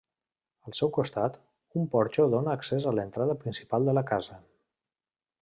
Al seu costat, un porxo dóna accés a l'entrada principal de la casa.